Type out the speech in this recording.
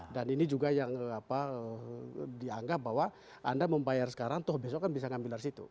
dan ini juga yang dianggap bahwa anda membayar sekarang toh besok kan bisa ngambil dari situ